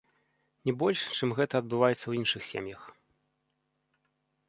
Не больш, чым гэта адбываецца ў іншых сем'ях.